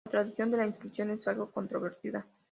La traducción de la inscripción es algo controvertida.